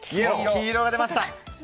黄色が出ました。